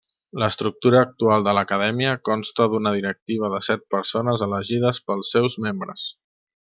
L’estructura actual de l’Acadèmia consta d'una directiva de set persones elegides pels seus membres.